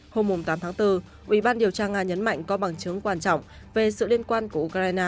hôm tám tháng bốn ủy ban điều tra nga nhấn mạnh có bằng chứng quan trọng về sự liên quan của ukraine